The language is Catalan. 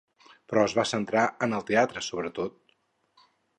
Però es va centrar en el teatre, sobretot?